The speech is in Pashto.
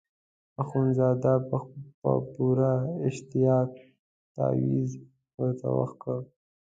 اخندزاده په پوره اشتیاق تاویز ورته وکیښ.